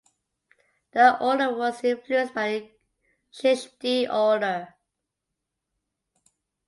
The order was influenced by the Chishti Order.